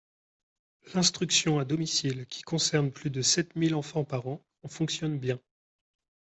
L’instruction à domicile, qui concerne plus de sept mille enfants par an, fonctionne bien.